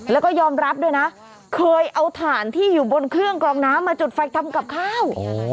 แล้วก็ยอมรับด้วยนะเคยเอาถ่านที่อยู่บนเครื่องกรองน้ำมาจุดไฟทำกับข้าว